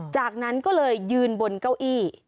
จากนั้นก็เลยยืนบนเก้าอี้